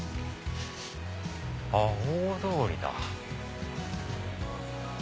大通りだ。